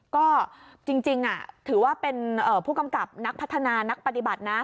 ก็จริงถือว่าเป็นผู้กำกับนักพัฒนานักปฏิบัตินะ